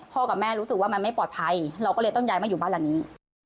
กับแม่รู้สึกว่ามันไม่ปลอดภัยเราก็เลยต้องย้ายมาอยู่บ้านหลังนี้